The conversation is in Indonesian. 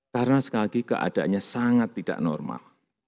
karena sekali lagi keadanya sangat tidak normal